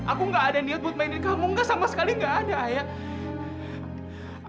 aku gak ada niat buat mainin kamu gak sama sekali nggak ada ayah